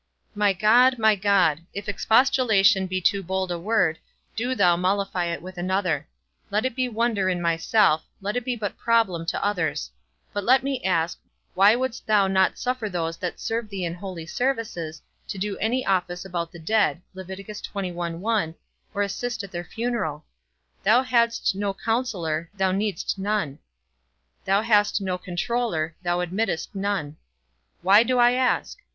My God, my God, if expostulation be too bold a word, do thou mollify it with another; let it be wonder in myself, let it be but problem to others; but let me ask, why wouldst thou not suffer those that serve thee in holy services, to do any office about the dead, nor assist at their funeral? Thou hadst no counsellor, thou needst none; thou hast no controller, thou admittedst none. Why do I ask?